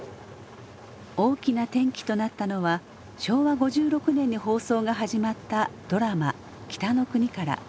大きな転機となったのは昭和５６年に放送が始まったドラマ「北の国から」。